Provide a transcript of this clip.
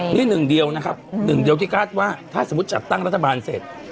นี่หนึ่งเดียวนะครับหนึ่งเดียวที่คาดว่าถ้าสมมุติจัดตั้งรัฐบาลเสร็จ